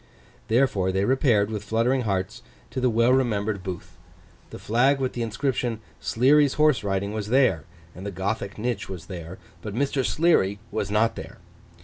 Therefore, they repaired, with fluttering hearts, to the well remembered booth. The flag with the inscription SLEARY'S HORSE RIDING was there; and the Gothic niche was there; but Mr. Sleary was not there.